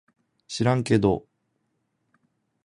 しらんけど